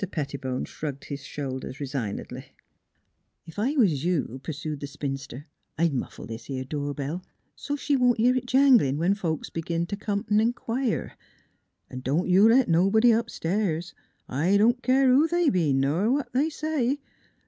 Pettibone shrugged his shoulders resign edly. 1 6 NEIGHBORS " Ef I was you," pursued the spinster, " I'd muffle this 'ere door bell, so 't she won't hear it janglin' when folks begins t' come t' inquire. An' don't you let nobody upstairs; I don't keer who they be, ner what they say.